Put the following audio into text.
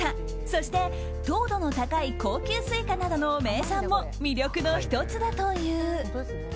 そして糖度の高い高級スイカなどの名産も魅力の１つだという。